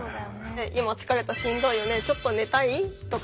「今疲れたしんどいよねちょっと寝たい？」とか。